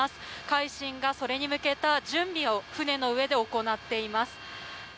「海進」がそれに向けた準備を船の上で行っています。